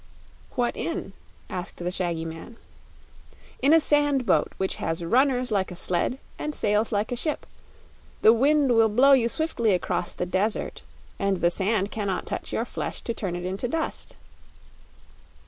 "What in?" asked the shaggy man. "In a sand boat, which has runners like a sled and sails like a ship. The wind will blow you swiftly across the desert and the sand cannot touch your flesh to turn it into dust."